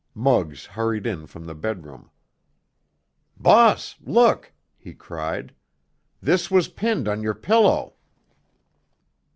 Muggs hurried in from the bedroom. "Boss! Look!" he cried. "This was pinned on your pillow!"